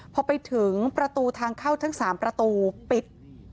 พอไปถึงประตูทางเข้าทั้ง๓ประตูปิด